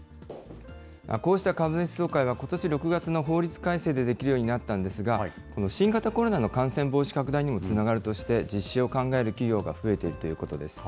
こうした株主総会は、ことし６月の法律改正でできるようになったんですが、新型コロナの感染防止拡大にもつながるとして、実施を考える企業が増えているということです。